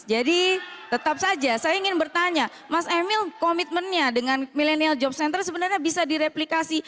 jadi tetap saja saya ingin bertanya mas emil komitmennya dengan millennial job center sebenarnya bisa direplikasi